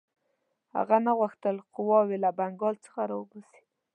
هغه نه غوښتل قواوې له بنګال څخه را وباسي.